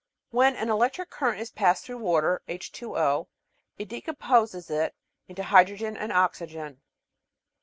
When an electric current is passed through water (HzO) it decomposes it into hydrogen and oxygen.